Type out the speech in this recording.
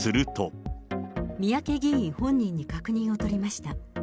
三宅議員本人に確認を取りました。